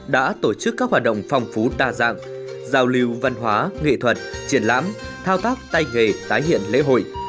đã tổ chức các hoạt động phong phú đa dạng giao lưu văn hóa nghệ thuật triển lãm thao tác tay nghề tái hiện lễ hội